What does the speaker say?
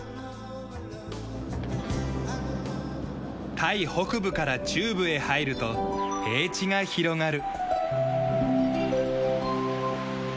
タイ北部から中部へ入ると平地が広がる。